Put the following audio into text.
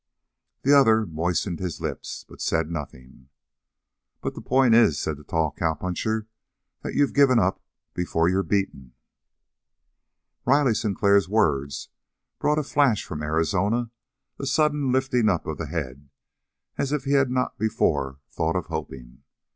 The other moistened his lips, but said nothing. "But the point is," said the tall cowpuncher, "that you've given up before you're beaten." Riley Sinclair's words brought a flash from Arizona, a sudden lifting of the head, as if he had not before thought of hoping.